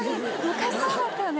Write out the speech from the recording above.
昔そうだったよね。